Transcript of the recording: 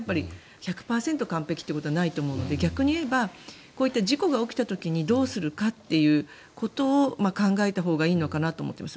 １００％完璧ということはないと思うので逆に言えばこういった事故が起きた時にどうするかということを考えたほうがいいのかなと思っています。